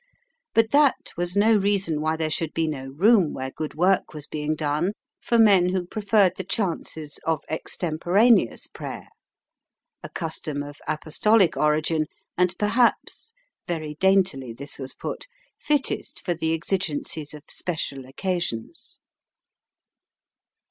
But that was no reason why there should be no room where good work was being done for men who preferred the chances of extemporaneous prayer a custom of Apostolic origin, and perhaps (very daintily this was put) fittest for the exigencies of special occasions.